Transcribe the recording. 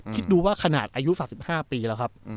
คิดดูว่าขนาดอายุ๓๕ปีแล้วครับ